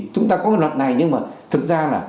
chúng ta có luật này nhưng mà thật ra là